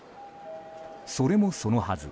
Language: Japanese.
それもそのはず